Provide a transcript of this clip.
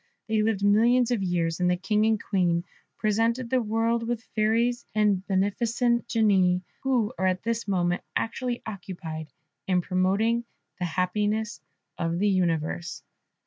They lived millions of years, and the King and Queen presented the world with fairies and beneficent genii, who are at this moment actually occupied in promoting the happiness of the universe.